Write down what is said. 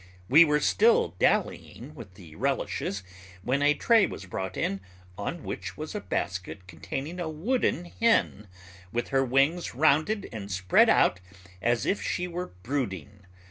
We were still dallying with the relishes when a tray was brought in, on which was a basket containing a wooden hen with her wings rounded and spread out as if she were brooding.